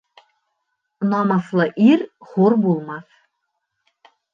Намыҫлы ир хур булмаҫ.